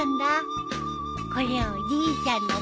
これはおじいちゃんの分。